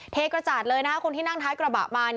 เทกระจาดเลยคนที่นั่งท้ายกระบะมา